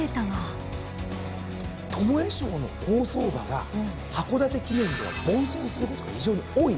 巴賞の好走馬が函館記念では凡走することが非常に多いんです。